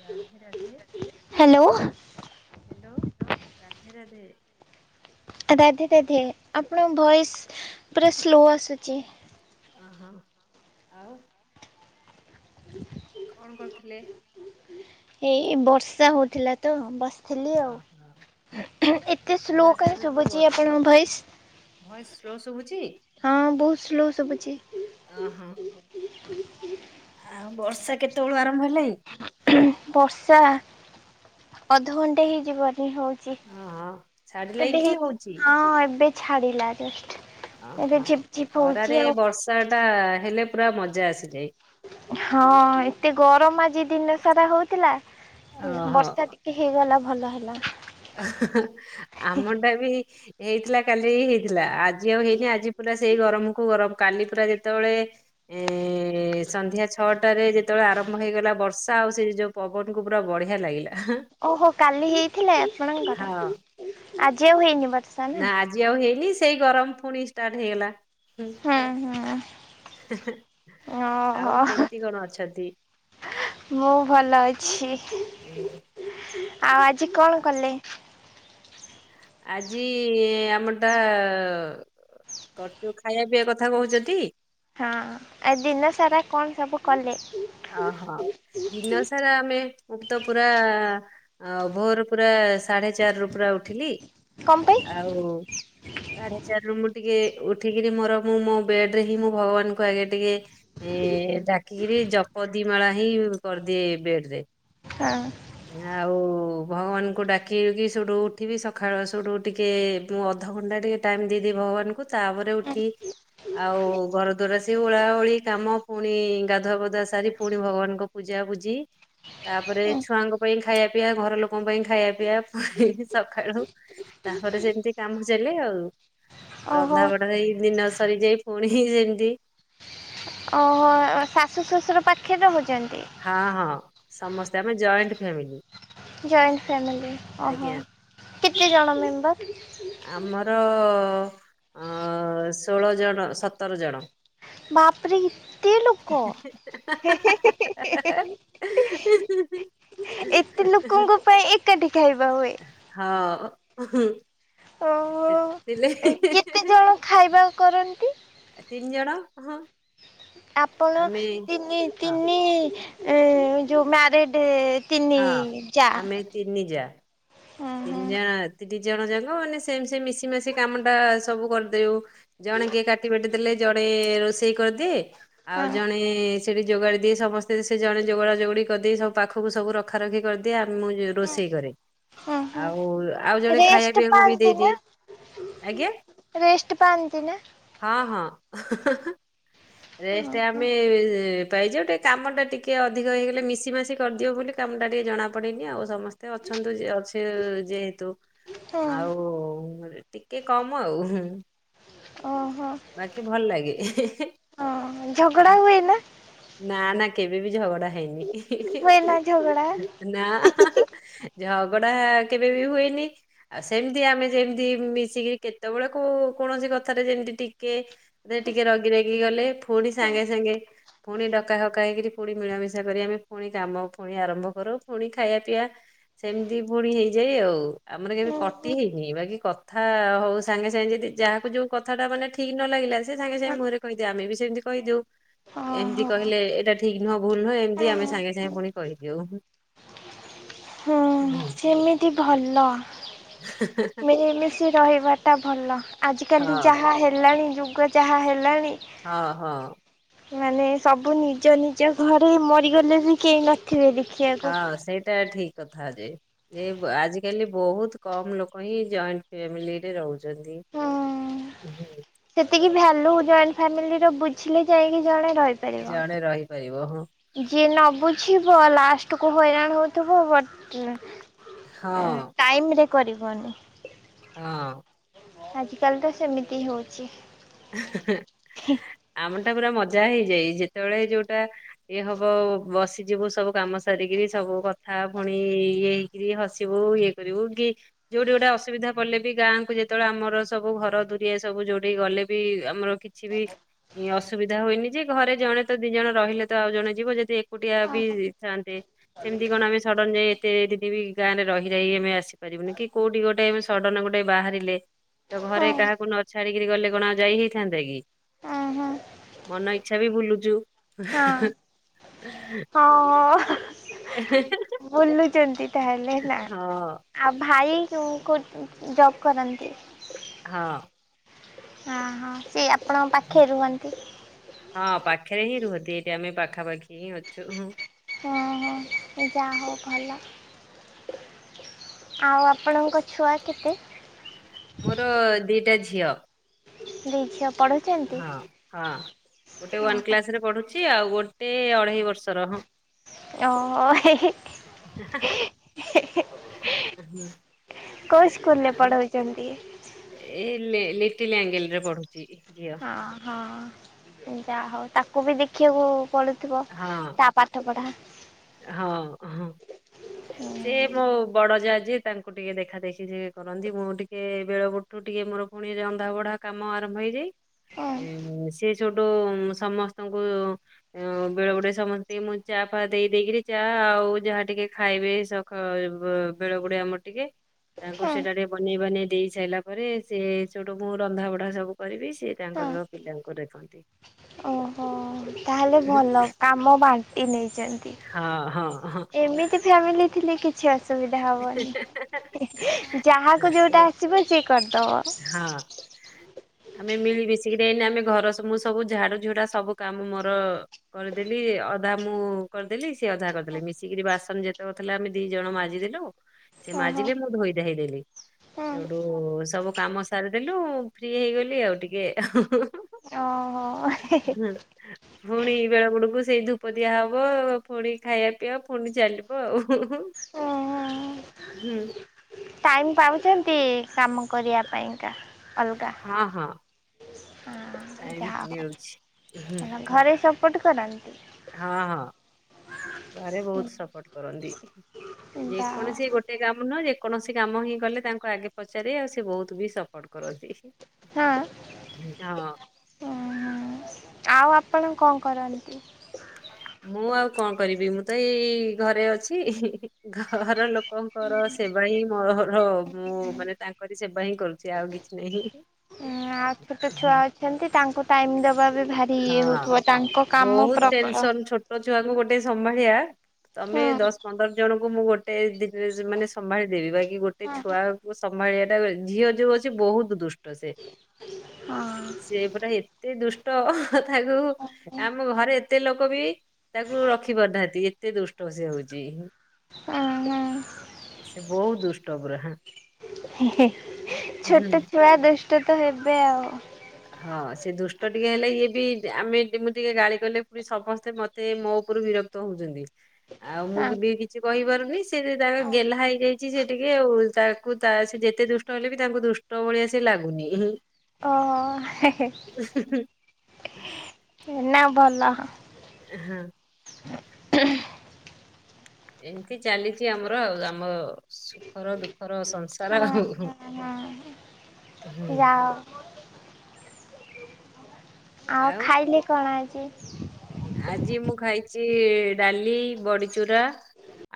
Radhe Radhe hello Radhe Radhe Radhe Radhe ଆପଣଙ୍କ voice ପୁରା slow ଆସୁଛି ଅହୋ ଆଉ ହ କଣ କରୁଥିଲେ? ଏଇ ବର୍ଷା ହଉଥିଲା ତ ବସିଥିଲି ଆଉ। ଏତେ ସ୍ଲୋ ଖରା କାଇଁ ଶୁଭୁଛି ଆପଣଙ୍କ ଭୟେସ। ଭୟେସ ସ୍ଲୋ ଶୁଭୁଛି। ହଁ ବହୁତ ସ୍ଲୋ ସୁବୁଛି। ଓ ହୋ ଆଉ ବର୍ଷା କେତେବେଳୁ ଆରମ୍ଭ ହେଲାଣି? ବର୍ଷା ଅଧଘଣ୍ଟା ହେଇଯିବନି ହଉ ଚି ଅହଁ ଛାଡିଲାଇଁ ଏବେ କି ହେଉ ହଉଛି? ହଁ ଏବେ ଛାଡିଲା। ଏବେ ଅହଁ ଝିପ୍ ଝିପ୍ ଖରାରେ ହଉଛି ଆଉ। ବର୍ଷା ଟା ହେଲେ ପୁରା ମଜା ଆସିଯାଏ। ହଁ ଏତେ ଗରମ ଆଜି ଦିନ ସାରା ହଉଥିଲା। ଅହଁ ବର୍ଷା ଟିକେ ହେଇଗଲା ଭଲ ହେଲା। ଅ ଆମ ଟାଇମ ହେଇଥିଲା କାଲି ହେଇଥିଲା। ଆଜି ଆଉ ହେଇନି। ଆଜି ପୁରା ସେଇ ଗରମ କୁ ଗରମ କାଲି ପୁରା ଯେତେବେଳେ ଏ ସନ୍ଧ୍ୟା ଛଅଟାରେ ଯେତେବେଳେ ଆରମ୍ଭ ହେଇଗଲା ବର୍ଷା ଆଉ ସେ ଯୋଉ ପବନକୁ ପୁରା ବଢ଼ିଆ ଲାଗିଲା। ଓହୋ କାଲି ହେଇଥିଲେ ଆପଣଙ୍କର। ହଁ ଆଜି ଆଉ ହେଇନି ବର ନା ଆଜି ଆଉ ହେଇନି। ସେଇ ଗରମ ପୁଣି ଷ୍ଟାର୍ଟ ହେଇଗଲା। ହୁଁ ହୁଁ ଆଉ ଓହୋ କେମିତି କଣ ଅଛନ୍ତି? ମୁଁ ଭଲ ଅଛି। ଉଁ, ଆଉ ଆଜି କଣ ଆ- କଲେ? ଆଜି ଆମଟା ଅ କରଚୁ ଖାଇବା ପିଇବା କଥା କହୁଛ ଟି। ହଁ ଆ ଦିନ ସାରା କଣ ସବୁ କଲେ। ଓହୋ ଦିନ ସାରା ଆମେ ମୁ ତ ପୁରା ଅ ଭୋରୁୁ ପୁରା ସାଢେ ଚାରିରୁ ପୁରା ଉଠିଲି। କଣ ପାଇଁ? ଆଉ ସାଢେ ଚାରିରୁ ମୁଁ ଟିକେ ଉଠିକିରି ମୋର ମୁଁ ମୋ ବେଡ ରେ ହିଁ ମୁଁ ଭଗବାନଙ୍କୁ ଆଗେ ଟିକେ ଏ ଡାକିକିରି ଜପ ଦିମାଳା ହିଁ କରିଦିଏ ବେଡ ରେ। ହଁ। ଆଉ ଭଗବାନଙ୍କୁ ଡାକିକି ସେଇଠୁ ଉଠିବି। ସକାଳ ସେଇଠୁ ଟିକିଏ ମୁଁ ଅଧଘଣ୍ଟା ଟିକେ ଟାଇମ୍ ଦେଇଦେବି ଭଗବାନଙ୍କୁ। ତାପରେ ଉଠି ଆଉ ଘର ଦୁଆର ସିଏ ଓଳା ଓଳି କାମ ପୁଣି ଗାଧୁଆ ବଧୁଆ ସାରି ପୁଣି ଭଗବାନଙ୍କ ପୂଜା ବୁଜି ତାପରେ ଲଙ୍କ ପାଇଁ ଖାଇବା ପିଇବା ଘର ଲୋକଙ୍କ ପାଇଁ ଖାଇବା ପିଇବା ଇନ୍ତି ସକାଳୁ ତାପରେ ସେମିତି କାମ ଚାଲେ ଆଉ। ଓହୋ ରନ୍ଧା ବଢାରେ ହେଇ ଦିନ ସରି ଯାଇ ପୁଣି ହେଇ ସେମିତି ଓହୋ ଶାଶୁ ଶ୍ୱଶୁର ପାଖରେ ରହୁଛନ୍ତି। ହଁ ହଁ ସମସ୍ତେ ଆମେ ଜଏଣ୍ଟ ଫ୍ୟାମିଲି। ଜଏଣ୍ଟ ଫ୍ୟାମିଲି ଓହୋ। ଆଜ୍ଞା କେତେ ଜଣ ମେମ୍ବର? ଆମର ଷୋଳ ଜଣ ସତର ଜଣ। ବାପରେ ଏତେ ଲୋକ। ହେ ହେ ହେ ଏତେ ଲୋକଙ୍କ ପାଇଁ ଏକାଠି ଖାଇିବା ହୁଏ। ହଁ ହୁଁ ଓହୋ। ସେତୀ କେତେ ଲାଗି ଜଣ ଖାଇବା କରନ୍ତି। ଜଣ ହଁ ଆପଣ ଆମେ ତିନି ହଁ ତିନି ଏ ଯୋଉ ମ୍ୟାରେଡେ ହଁ ଆମେ ତିିନି ଜା। ହୁଁ ତିନି ହୁଁ ଜଣ ତିନି ଜଣ ଯାକ ମାନେ ସେମ ସେ ମିଶି ମାସିି କାମଟା ସବୁ କରିଦେଉ। ଜଣେ କିଏ କାଟି ବାଟି ଦେଲେ ଜଣେ ରୋଷେଇ କରିଦିଏ। ଆଉ ହଁ ଜଣେ ସେଇଠି ଯୋଗାଡ଼ି ଦିଏ ସମସ୍ତେ ସେ ଜଣେ ଯୋଗଡ଼ା ଯୋଗଡ଼ି କରିଦେଇ ସବୁ ପାଖକୁ ସବୁ ରଖା ରଖି କରିଦିଏ, ଆମ ମୁଁ ଯୋଉ ରୋଷେଇ କରେ। ହୁଁ ହୁଁ ଆଉ ଆଉ ଜଣେ ଖାଇବା ରେଷ୍ଟ ପିଇବାକୁ ବି ପାଆନ୍ତି ନା ଦେଇଦିଏ। ଆଜ୍ଞା ରେଷ୍ଟ ପାଆନ୍ତି ନା? ହଁ, ହଁ। ହଁ ରେଷ୍ଟ ହଁ ଆମେ ପାଇଯାଉ, ଟିକେ କାମ ଟା ଟିକେ ଅଧିକ ହେଇଗଲେ ମିଶି ମାସି କରିଦେଉ ବୋଲି କାମ ଟା ଟିକେ ଜଣା ପଡିନି ଆଉ ସମସ୍ତେ ଅଛନ୍ତୁ ଯେ ଅଛି ଅ, ଯେହେତୁ ହଁ ଆଉ ଟିକେ କମ ଆଉ ହୁଁ। ଓହୋ। ବାକି ଭଲ ଲାଗେ। ହଁ ଝଗଡା ହୁଏ ନା ନା ନା କେବେ ବି ଝଗଡା ହେଇନି ହୁଏ ନା ଝଗଡା ନା। ଝଗଡା କେବେ ବି ହୁଏନି। ଆଉ ସେମିତି ଆମେ ଯେମିତି ମିଶିକିରି କେତେବେଳେ କୋ- କୌଣସି କଥାରେ ଯେମିତି ଟିକେ ଟିକେ ରଗି ରାଗି ଗଲେ ପୁଣି ସାଙ୍ଗେ ସାଙ୍ଗେ ପୁଣି ଡକା ହକା ହେଇକିରି ପୁଣି ମିଳାମିିଶା କରି ଆମେ ପୁଣି କାମ ପୁଣି ଆରମ୍ଭ କରୁ ପୁଣି ଖାଇଆ ପିଆ। ସେମିତି ପୁଣି ହେଇଯାଏ ଆଉ ଆମର କେବେ କଟି ହେଇନି, ବାକି କ ଥା ହଉ ସାଙ୍ଗେ ସାଙ୍ଗେ ଯଦି ଯାହାକୁ ଯୋଉ କଥାଟା ମାନେ ଠିକ ନ ଲାଗିଲା ସେ ସାଙ୍ଗେ ସାଙ୍ଗେ ମୁହଁରେ କହିଦିଏ, ଆମେ ବି ସେମିତି କହିଦଉ। ଏମିତି ଓହୋ କହିଲେ ଏଟା ଠିକ ନୁହଁ ଭୁଲ ନୁହଁ ଏମତି ଆମେ ସାଙ୍ଗେ ସାଙ୍ଗେ ପୁଣି କହିଦେଉ। ହୁଁ। ଏମିତି ଭଲ। ମିଳିମିଶି ରହିବା ଟା ଭଲ। ଆଜିକାଲି ହଁ ଯାହା ହେଲାଣି ଯୁଗ ଯାହା ହେଲାଣି। ହଁ, ହଁ। ମାନେ ସବୁ ନିଜ ନିଜ ଘରେ ମରିଗଲେ ବି କେହି ନ ଥିବେ ଦେଖିଆ [inaudible] ହଁ ସେଇଟା ଠିକ କଥା ଯେ। ଏ ଆଜିକାଲି ବହୁତ କମ ଲୋକ ହିଁ ଜଏଣ୍ଟ ଫ୍ୟାମିଲିରେ ରହୁଛନ୍ତି। ହୁଁ ହୁଁ। ସେତିକି ଭ୍ୟାଲୁ ଜଏଣ୍ଟ ଫ୍ୟାମିଲି ର ବୁଝିଲେ ଯାଇକି ଜଣେ ରହି ଜଣେ ରହିପାରିବ ହଁ। ଯିଏ ନ ବୁଝିବ ଲାଷ୍ଟ କୁ ହଇରାଣ ହଉଥୁବ। ବଟ୍ ହଁ ଏ ଟାଇମ୍ ରେ କରିବନି। ହଁ। ଆଜିକାଲି ତ ସେମିତି ହଉଛି। ହଁ ଆମ ଟା ପୁରା ମଜା ହେଇଯାଇ ଯେତେବେଳେ ଯୋଉଟା ଇଏ ହବ ବସିଯିବୁ ସବୁ କାମ ସାରିକିରି ସବୁ କଥା ପୁଣି ଏଇ ଇଏ କିରି ହସିବୁ ଇଏ କରିବୁ କି ଯୋଉଠି ଗୋଟେ ଅସୁବିଧା ପଡିଲେ ବି ଗାଁକୁ ଯେତେବେଳେ ଆମର ସବୁ ଘର ଦୁରିଆ ସବୁ ଯୋଉଠିକି ଗଲେ ବି ଆମର କିଛି ବି ଅସୁବିଧା ହୁଏନି। ଯେ ଘରେ ଜଣେ ତ ଦି ଜଣ ରହିଲେ ତ ଆଉ ଜଣେ ଯିବ, ଯଦି କୁଟିଆ ବି ଥାଆନ୍ତେ, ସେମିତି କଣ ଆମେ ସଡ଼ନ୍ ଯାଇ ଏତେ ଯଦି ବି ଗାଁରେ ରହିଯାଇ ଆମେ ଆସି। ପାରିବୁନି କି କୋଉଠି ଗୋଟେ ସଡ଼ନ୍ ଗୋଟେ ବାହାରିଲେ ତ ହଁ ଘରେ କାହାକୁ ନ ଛାଡିକିରି ଗଲେ କଣ ଆ ଯାଇ ହେଇଥାନ୍ତା କି? ହଁ ମନ ଇଚ୍ଛା ବି ବୁଲୁଚୁ। ହଁ ହଁ। ଏ ହେଁ, ହେଁ। ବୁଲୁଛନ୍ତି ତାହେଲେ ନା। ହଁ ଆଉ ଭାଇ କୁ କଉଠି ଜବ୍ କରନ୍ତି? ହଁ। ଅ ହୋ ସେ ଆପଣଙ୍କ ପାଖରେ ରୁହନ୍ତି। ହଁ ପାଖରେ ହିଁ ରୁହନ୍ତି ଏଠି ଆମେ ପାଖାପାଖି ହିଁ ଅଛୁ। ଓହ ଯା ହଉ ଭଲ। ଆଉ ଆପଣଙ୍କ ଛୁଆ କେତେ? ମୋର ଦିଟା ଝିଅ। ଦି ଝିଅ ପଢୁ ହଁ ହଁ ଗୋଟେ ୱାନ୍ ଓହୋ କ୍ଲାସରେ ପଢୁଛି ଆଉ ଗୋଟେ ଅଢେଇ ବର୍ଷର ହବ। ହଁ ‌। ଓହ। ହେ ହେଁ ହେଁ ଏ କୋଉ ସ୍କୁଲ ରେ ପଢଉଛନ୍ତି। ଏ ଲି ଲିଟିଲି ଆଙ୍ଗେଲ ରେ ପଢୁଛି ଝିଅ। ହଁ ହଁ ଯାହା ହଉ ତାକୁ ବି ଦେଖିବାକୁ ପଢୁଥିବ ହଁ ତା ପାଠ ପଢା। ହଁ ହଁ। [unintelligible] ହୁଁ। ଯେ ମୋ ବଡ଼ ଯା ତାଙ୍କୁ ଟିକେ ଦେଖା ଦେଖି ସିଏ କରନ୍ତି ମୁଁ ଟିକେ ବେଳ ବୁ ତୁ ଟିକେ ମୋର ପୁଣି ରନ୍ଧା ବଢା କାମ ଆରମ୍ଭ ହେଇଯାଏ। ହୁଁ ସେ ସେଠୁ ସମସ୍ତଙ୍କୁ ଆଉ ବେଳେ ବେଳେ ସମସ୍ତେ ଟେ ମୁଁ ଚା ଫା ଦେଇଦେଇକି ଚା ଆଉ ଯାହା ଟିକେ ଖାଇବେ ସ ବେଳ ଗୁଡେ ଆମର ଟିକେ ତାଙ୍କୁ ସେଇଟା ହୁଁ। ଟିକେ ବନେଇ ବନେଇ ଦେଇ। ସାରିଲା ପରେ ସେ ସେଠୁ ମୁଁ ରନ୍ଧା ବଢା ସବୁ କରିବି ସେ ତାଙ୍କର ପିଲାଙ୍କୁ ଦେଖନ୍ତି। ଓହୋ ତାହେଲେ ଭଲ କାମ ବାଣ୍ଟି ନେଇଛନ୍ତି। ହଁ ହଁ ହଁ। ଏମିତି ଫ୍ୟାମିଲି ଥିଲେ କିଛି ଅସୁବିଧା ହବନି। ଏ ହଁ ଯାହାକୁ ଯୋଉଟା ମୋର ଆସିବ ସିଏ କରିଦବ। ହଁ। ଆମେ ମିଳି ମିଶିକିରି ଆମେ ଘର ମୁଁ ସବୁ ଝାଡୁ ଝୁଡା ସବୁ କାମ ମୋର କରିଦେଲି ଅଧା ମୁଁ କରିଦେଲି ସିଏ ଅଧା କରିଦେଲି ମିଶିକିରି ବାସନ ଯେତେକଥିଲା ଆମେ ଦି ଜଣ ମାଜିଦେଲୁ ସେ ଓହୋ ମାଜିଲେ ମୁଁ ଧୋଇ ଧାଇ ଦେଲି। ହୁଁ। ସେଉଠୁ ସବୁ କାମ ସାରିଦେଲୁ ଫ୍ରି ହେଇଗଲି ଆଉ ଟିକେ ହୁଁ ହୁଁ ଓହୋ। [unintelligible] ହୁଁ। ପୁଣି ବେଳ ବୁଡ଼ୁ ବୁଡୁ ସେଇ ଧୂପ ଦିଆ ହବ ପୁଣି ଖାଇବା ପିଇବା ପୁଣି ଚାଲିବ ଆଉ। ହୁଁ ହୁଁ ହଁଅ। ହୁଁ। ଟାଇମ୍ ପାଉଚନ୍ତିଇ କାମ କରିବା ପାଇଁକା? ଅଲଗା ହଁ ହଁ। ହଁ ଟାଇମ ଯାହା ମିଳୁଛି। ହଉ ଘରେ ସପୋର୍ଟ କରନ୍ତି? ହଁଅ ଘରେ ବହୁତ ସପୋର୍ଟ କରନ୍ତି। ଯାହା ଯେକୌଣସି ଗୋ ସେ କାମ ନୁହଁ ଯେକୌଣସି କାମ ହିଁ କଲେ ତାଙ୍କୁ ଆଗେ ପଚାରେ ଆଉ ସେ ବହୁତ ବି ସପୋର୍ଟ କରନ୍ତି। ହଁ। ହଁ। ଆଉ ଆପଣ କଣ କରନ୍ତି? ମୁଁ ଆଉ କଣ କରିବି ମୁଁ ତ ଏଇ ଘରେ ଅଛି। ଘର ଲୋକଙ୍କର ସେବା ହିଁ ମୋର ମୁଁ ମାନେ ତାଙ୍କରି ସେବା ହିଁ କରୁଛି ଆଉ କିଛି ନାହିଁ। ହଁ ହଁ ଛୋଟ ଛୁଆ ଅଛନ୍ତି ତାଙ୍କୁ ଟାଇମ ଦବା ବି ଭାରି ଇଏ ହଉଥିବ ତାଙ୍କ କାମ ବହୁତ ପ୍ରବଳ। ଟେନସନ ଛୋଟ ଛୁଆଙ୍କୁ ଗୋଟେ ସମ୍ଭାଳିବା ତମେ ହଁ। ଦଶ ପନ୍ଦର ଜଣଙ୍କୁ ମୁଁ ଗୋଟେ ଦିନରେ ମାନେ ସମ୍ଭାଳିଦେବି ବାକି ଗୋଟେ ଗୋଟେ ଛୁଆକୁ ସମ୍ଭାଳିବାଟା ଝିଅ ଯୋଉ ଅଛି ବହୁତ ଦୁଷ୍ଟ ସେ। ସେ ପୁରା ଏତେ ଦୁଷ୍ଟ ହ ତାକୁ। ଆମ ଘରେ ଏତେ ଲୋକ ବି ତାକୁ ରଖି ପାରୁନାହାନ୍ତି ଏତେ ଦୁଷ୍ଟ ସେ ହଉଛି। ହଁ ହଁ। ସେ ବହୁତ ଦୁଷ୍ଟ ପରା। ହି ହି ଛୋଟ ଛୁଆ ଦୁଷ୍ଟ ତ ହେବେ ଆଉ। ହଁ ସେ ଦୃଷ୍ଟ ଟିକେ ହେଲେ ଇଏ ବି ଆମେ ମୁଁ ଟିକେ ଗାଳି କଲେ ପୁଣି ସମସ୍ତେ ମତେ ମୋ ଉପରୁ ବିର ର୍ତ୍କ ହଉଛନ୍ତି ଆଉ ମୁଁ କବି କି କିଛି କହିପାରୁନି ସେ ଯେ ତାଙ୍କ ଗେହ୍ଲା ହେଇଯାଇଛି ସେ ଟିକେ ଆଉ ତାକୁ ତା ସେ ଯେତେ ଦୁଷ୍ଟ ହେଲେ ବି ତାଙ୍କୁ ଦୁଷ୍ଟ ଷ୍ଟ ଭଳିଆ ସେ ଲାଗୁନି। ଓହୋ। ହେ ହେ। ହୁ ହୁ। ଏଇନା ଭଲ। ହଁ। ହୁ। ଏମିତି ଚାଲିଚି ଆମର ଆଉ ଆମ ସୁଖର ଦୁଃଖର ସଂସାର ଆଉ ହୁଁ ହୁଁ। ଯାଅ। ଆଉ ଖାଇଲେ କଣ ଆଜି। ଆଜି ମୁଁ ଖାଇଚି ଡାଲି ବଡିଚୁରା।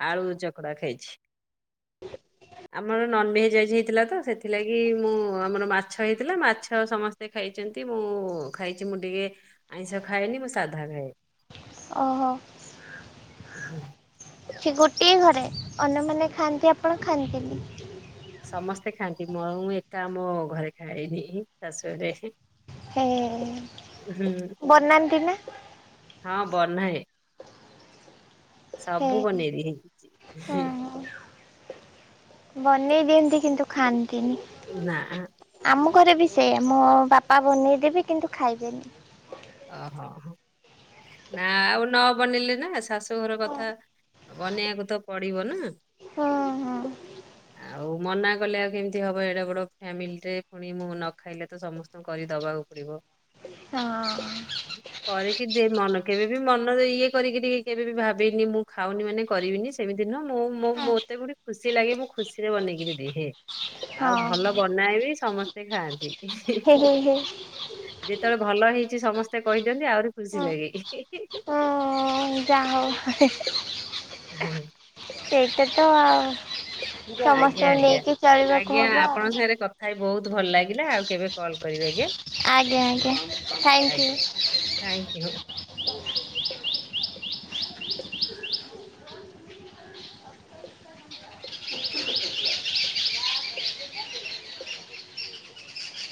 ଆଳୁ ଚକଟା ଖାଇଛି। ଆମର ନନଭେଜ ଆଜି ହେଇଥିଲା ତ ସେଥିଲାଗି ମୁଁ ଆମର ମାଛ ହେଇଥିଲା ମାଛ ସମସ୍ତ ସ୍ତେ ଖାଇଛନ୍ତି ମୁଁ ଖାଇଛି ମୁଁ ଟିକେ ଆଇଁଷ ଖାଏନି ମୁଁ ସାଧା ଖାଏ। ଓହୋ ହୁଁ। ସେ ଗୋଟଏ ଘରେ ଅନ୍ୟମାନେ ଖାଆନ୍ତି ଆପଣ ଖାଆନ୍ତି ନି। ସମସ୍ତେ ଖାଆନ୍ତି ମୁଁ ଆଉ ମୁଁ ଏକା ମୋ ଘରେ ଖାଏନି ଶାଶୁ ଘରେ। ହେ ହୁଁ ବନାନ୍ତି ନା। ହଁ ବନାଏ। ହେ ସବୁ ବନେଇ ଦିଏ। ବନେଇ ଦିଅନ୍ତି କିନ୍ତୁ ଖାଆନ୍ତିନି। ନା ଆ। ଆମ ଘରେ ବି ସେୟା ମୋ ବାପା ବନେଇଦେବେ କିନ୍ତୁ ଖାଇବେନି। ଓହୋଃ ନା ଆଉ ନ ବନେଇଲେ ନା ଶାଶୁଘର ହଁ କଥା। ବନେଇବାକୁ ତ ପଡିବ ନା। ହଁ ଆଉ ମନା କଲେ ଆଉ କେମିତି ହବ ଏଡେ ବଡ ଫ୍ୟାମିଲି ଟେ ପୁଣି ମୁଁ ନ ଖାଇଲେ ତ ସମସ୍ତେ କରି ଦବାକୁ ପଡିବ। ହଁ। ହୁଁ ହୁଁ। କରିକି ଦେ ମନ କେବେ ବି ମନରେ ଇଏ କରିକିରି କେବେବି ଭାବିନି ମୁଁ ଖାଉନି ମାନେ କରିବିନି। ସେମିତି ନୁହଁ। ମୁଁ-ମୁଁ-ମତେ ଗୋଟେ ଖୁସି ଲାଗେ ମୁଁ ଖୁସିରେ ବନେଇକିରି ଦିହେ। ଆଉ ହଁ ଭଲ ବନାଏ ବି ସମସ୍ତେ ଖାଆନ୍ତି। ହେ ହେ ହେ ଯେତେବେଳେ ଭଲ ହେଇଛି ସମସ୍ତେ କହିଦିଅନ୍ତି। ଆହୁରି ଖୁସି ଲାଗେ। ହୁଁ ଯା ହୋଉ। [unintelligible] ସେଇଟା ତ ଆଜ୍ଞା ସମସ୍ତଙ୍କୁ ଆଜ୍ଞା ନେଇକି ଚଳିବାକୁ ଆଜ୍ଞା ହବ ଆପଣଙ୍କ ଆଉ। ସାଙ୍ଗରେ କଥା ହେଇ ବହୁତ ଭଲ ଲାଗିଲା। ଆଉ କେବେ କଲ୍ କରିବେ ଆଜ୍ଞା। ଆଜ୍ଞା ଆଜ୍ଞା ଥ୍ୟାଙ୍କ ୟୁ। Thank you.